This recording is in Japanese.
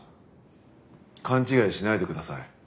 勘違いしないでください。